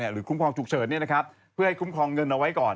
คุ้มครองฉุกเฉินเพื่อให้คุ้มครองเงินเอาไว้ก่อน